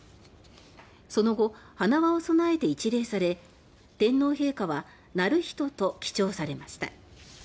その後、花輪を備えて一礼され天皇陛下は「徳仁」と記帳されました。